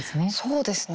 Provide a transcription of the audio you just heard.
そうですね